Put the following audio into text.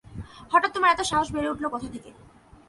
হঠাৎ তোমার এত সাহস বেড়ে উঠল কোথা থেকে?